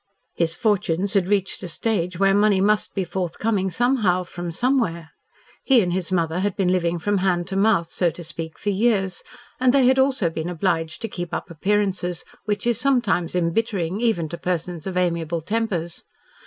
His fortunes had reached a stage where money must be forthcoming somehow from somewhere. He and his mother had been living from hand to mouth, so to speak, for years, and they had also been obliged to keep up appearances, which is sometimes embittering even to persons of amiable tempers.